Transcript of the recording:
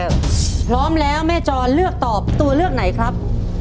ถ้าพร้อมแล้วแม่จรเลือกตอบตัวเลือกไหนครับ